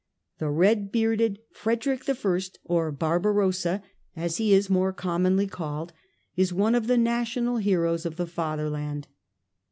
The red bearded Frederick I, or Barbarossa, as he is more commonly called, is one of the national heroes of the Fatherland.